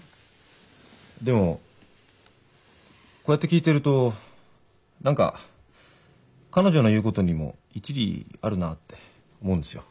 でもこうやって聞いてると何か彼女の言うことにも一理あるなって思うんですよ。